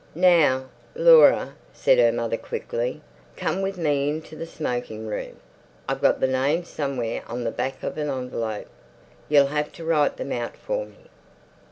"Now, Laura," said her mother quickly, "come with me into the smoking room. I've got the names somewhere on the back of an envelope. You'll have to write them out for me.